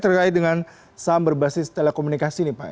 terkait dengan saham berbasis telekomunikasi nih pak